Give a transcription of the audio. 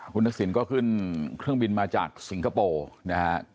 คุณทักษิณก็ขึ้นเครื่องบินมาจากสิงคโปร์นะฮะ